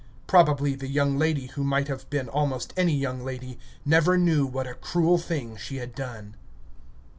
Probably the young lady, who might have been almost any young lady, never knew what a cruel thing she had done.